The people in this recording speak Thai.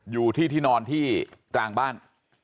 อยู่ที่ที่นอนที่กลางบ้าน